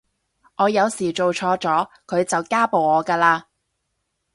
我有時做錯咗佢就家暴我㗎喇